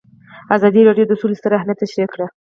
ازادي راډیو د سوله ستر اهميت تشریح کړی.